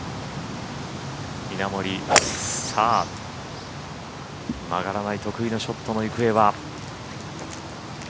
稲森、さあ、曲がらない得意のショットの行方は。